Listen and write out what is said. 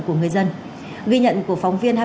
của người dân ghi nhận của phóng viên